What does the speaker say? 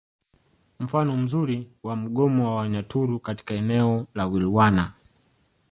Mfano mzuri wa mgomo wa Wanyaturu katika eneo la Wilwana